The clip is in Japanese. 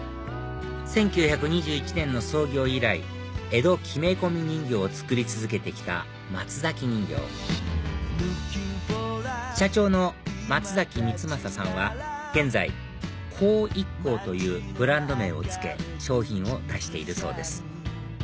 １９２１年の創業以来江戸木目込み人形を作り続けてきた松崎人形社長の松崎光正さんは現在幸一光というブランド名を付け商品を出しているそうです